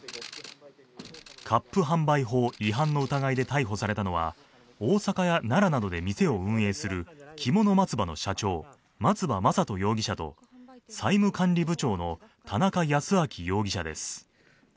割賦販売法違反の疑いで逮捕されたのは大阪や奈良などで店を運営するきもの松葉の社長、松葉将登容疑者と、債務管理部長の田中保明容疑者です。